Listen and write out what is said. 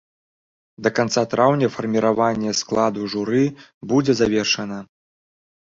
Да канца траўня фарміраванне складу журы будзе завершана.